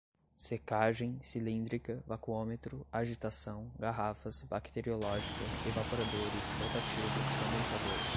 secagem, cilíndrica, vacuômetro, agitação, garrafas, bacteriológica, evaporadores, rotativos, condensador